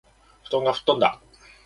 布団がふっとんだ